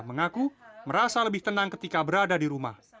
mengaku merasa lebih tenang ketika berada di rumah